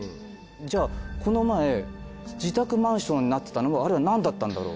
じゃあこの前自宅マンションになってたのはあれは何だったんだろう？